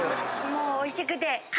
もうおいしくて。